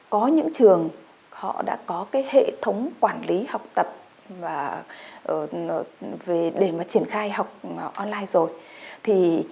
có những trường đã có hệ thống quản lý học tập để triển khai học online rồi